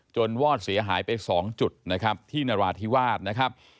วอดเสียหายไป๒จุดนะครับที่นราธิวาสนะครับ